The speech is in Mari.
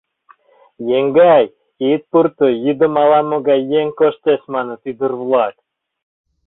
— Еҥгай, ит пурто, йӱдым ала-могай еҥ коштеш, — маныт ӱдыр-влак.